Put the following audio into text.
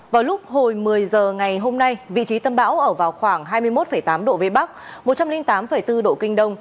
vào lúc hồi một mươi h ngày hôm nay vị trí tâm bão ở vào khoảng hai mươi một tám độ vn một trăm linh tám bốn độ kd